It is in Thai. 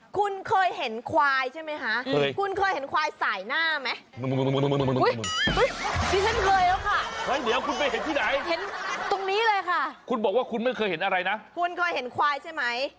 คุณเคยเห็นควายใช่ไหมคะ